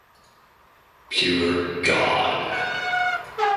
Pure god.